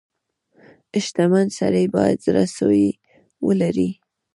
• شتمن سړی باید زړه سوی ولري.